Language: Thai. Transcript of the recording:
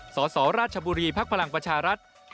สสราชบุรีภักดิ์พลังประชารัฐ